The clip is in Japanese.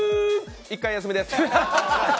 １回休みです。